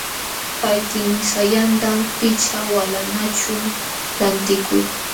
Kay tinisallanta pichqa walanqaćhu lantikuy.